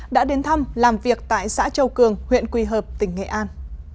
đã đến thăm làm việc tại xã châu cường huyện quỳ hợp tỉnh nghệ an